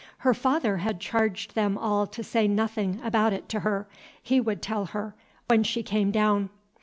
Her father had charged them all to say nothing about it to her; he would tell her, when she came down.